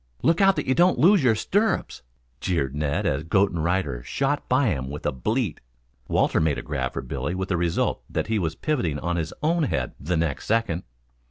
"Look out that you don't lose your stirrups," jeered Ned as goat and rider shot by him with a bleat. Walter made a grab for Billy with the result that he was pivoting on his own head the next second.